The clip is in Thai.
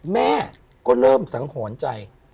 แม่ก็เริ่มสังหรณ์ใจ